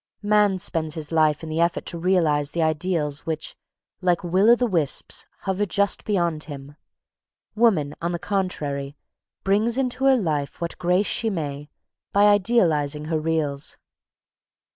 Man spends his life in the effort to realise the ideals which, like will o' the wisps, hover just beyond him. Woman, on the contrary, brings into her life what grace she may, by idealising her reals.